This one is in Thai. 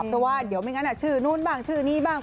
เพราะว่าเดี๋ยวไม่งั้นชื่อนู้นบ้างชื่อนี้บ้าง